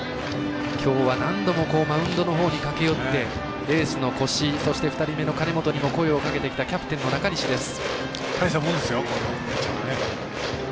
きょうは何度もマウンドに駆け寄って、エースの越井そして２人目の金本にも声をかけてきたキャプテンの中西です。